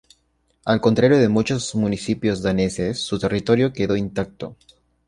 Al contrario de muchos municipios daneses, su territorio quedó intacto.